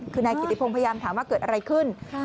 คือนายกิติพงศ์พยายามถามว่าเกิดอะไรขึ้น